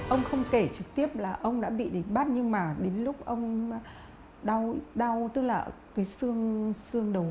ông không kể trực tiếp là ông đã bị đỉnh bắt nhưng mà đến lúc ông đau tức là cái xương đầu gối hai cái xương đầu gối đau